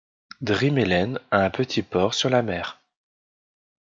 Drimmelen a un petit port sur l'Amer.